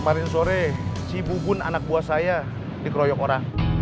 kemarin sore si bubun anak buah saya dikeroyok orang